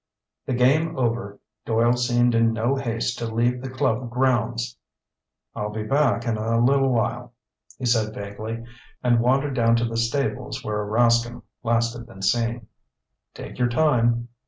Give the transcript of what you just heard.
The game over, Doyle seemed in no haste to leave the club grounds. "I'll be back in a little while," he said vaguely, and wandered down to the stables where Rascomb last had been seen. "Take your time."